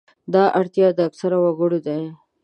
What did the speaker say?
دا اړتیاوې د اکثرو وګړو دي.